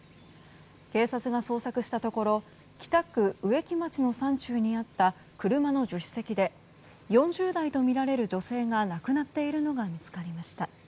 警察が捜索したところ北区植木町の山中にあった車の助手席で４０代とみられる女性が亡くなっているのが見つかりました。